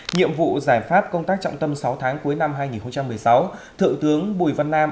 nhiệm vụ giải pháp công tác trọng tâm sáu tháng cuối năm hai nghìn một mươi sáu thượng tướng bùi văn nam